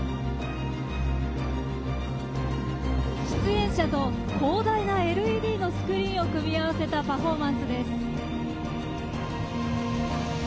出演者と広大なＬＥＤスクリーンを組み合わせたパフォーマンスです。